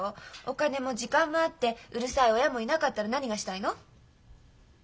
お金も時間もあってうるさい親もいなかったら何がしたいの？